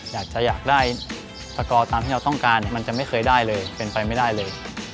อยากได้สกอร์ตามที่เราต้องการเนี่ยมันจะไม่เคยได้เลยเป็นไปไม่ได้เลย